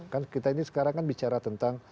kan kita ini sekarang kan bicara tentang